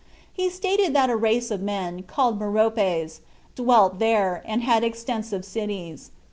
He stated that a race of men called Meropes dwelt there, and had extensive cities.